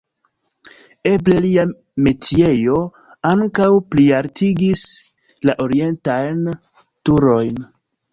Eble lia metiejo ankaŭ plialtigis la orientajn turojn.